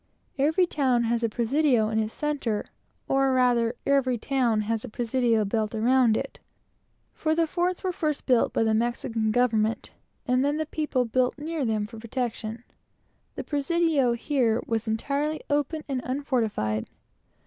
Every town has a presidio in its centre; or rather, every presidio has a town built around it; for the forts were first built by the Mexican government, and then the people built near them for protection. The presidio here was entirely open and unfortified.